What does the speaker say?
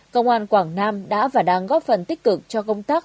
công an quảng nam đã và đang góp phần tích cực cho công tác